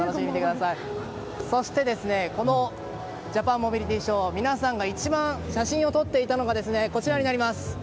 そして、この「ジャパンモビリティショー」で皆さんが一番、写真を撮っていたのがこちらになります。